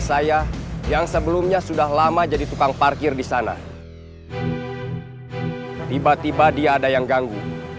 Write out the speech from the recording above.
saya yang sebelumnya sudah lama jadi tukang parkir di sana tiba tiba dia ada yang ganggu